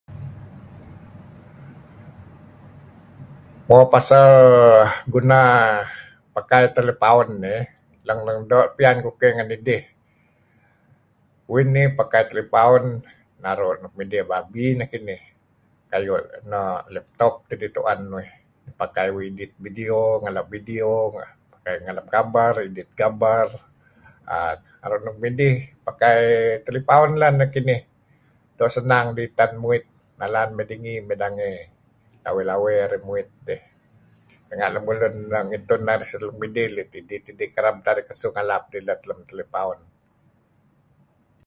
Mo pasal... guna pakai talepaun inih leng-leng doo' pian kukeh ngen idih. Uih inih pakai telepaun naru' nuk midih abi-abi nekinih kayu' no' laptop tidih tu'en uih. Pakai wih edit video, ngalap video, kayu' ngalap gabar, edit gabar, aaa... naru' nuk midih. Pakai telepaun lah nekinih. Doo' senang idih iten muit nalan idih mey nginih, mey dangey, lawey-lawey arih muit dih. Renga' lemulun leh ngitun narih seh nuk midih idih tidih. Kereb narih su ngalap idih lem telepaun.